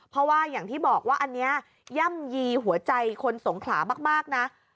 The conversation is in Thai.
เพราะว่าอย่างที่บอกว่าอันนี้ย่ำยีหัวใจคนสงขลามากนะ